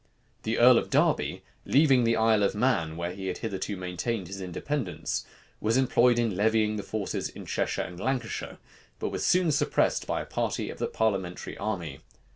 The earl of Derby, leaving the Isle of Man, where he had hitherto maintained his independence, was employed in levying forces in Cheshire and Lancashire; but was soon suppressed by a party of the parliamentary army.